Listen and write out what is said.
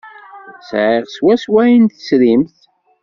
Sɛiɣ swawa ayen ay tesrimt.